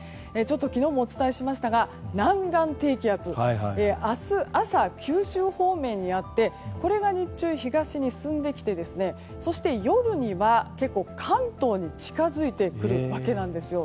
昨日もお伝えしましたが南岸低気圧明日朝、九州方面にあってこれが日中、東に進んできて夜には、関東に近づいてくるわけなんです。